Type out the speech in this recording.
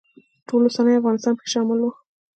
ټول اوسنی افغانستان پکې شامل و.